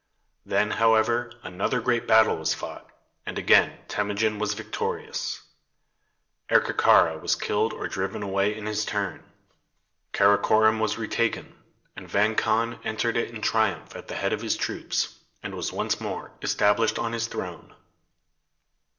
Then, however, another great battle was fought, and again Temujin was victorious. Erkekara was killed or driven away in his turn. Karakorom was retaken, and Vang Khan entered it in triumph at the head of his troops, and was once more established on his throne.